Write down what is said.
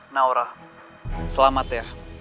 naura selamat ya